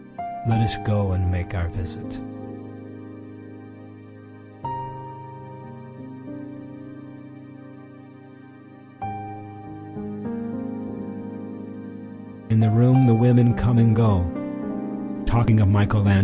Let us go and make our visit.In the room the women come and goTalking of Michelangelo.